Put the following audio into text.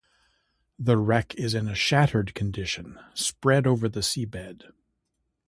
The wreck is in a shattered condition spread over the sea bed.